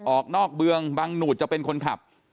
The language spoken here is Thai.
ออกนอกเมืองบังหนูดจะเป็นคนขับ